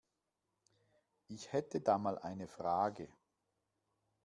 Ich hätte da mal eine Frage.